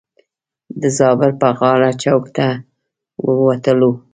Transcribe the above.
د زابر پر غاړه چوک ته ووتلو.